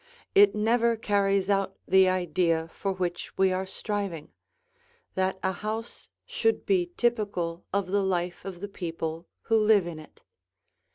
It never carries out the idea for which we are striving: that a house should be typical of the life of the people who live in it.